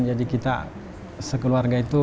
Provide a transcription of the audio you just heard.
jadi kita sekeluarga itu